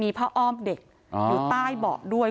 ผ้าอ้อมเด็กอยู่ใต้เบาะด้วย